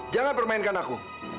jangan permainkan aku